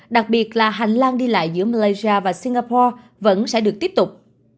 đặc biệt là hành lang đi lại giữa malaysia và singapore vẫn sẽ được tiếp tục